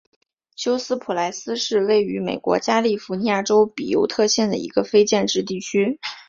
休斯普莱斯是位于美国加利福尼亚州比尤特县的一个非建制地区。